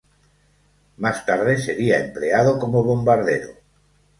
Más tarde sería empleado como bombardero.